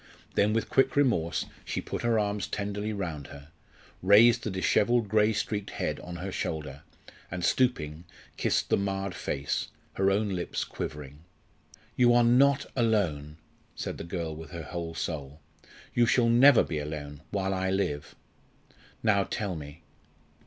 Then with quick remorse she put her arms tenderly round her, raised the dishevelled grey streaked head on her shoulder, and stooping, kissed the marred face, her own lips quivering. "You are not alone," said the girl with her whole soul. "You shall never be alone while I live. Now tell me."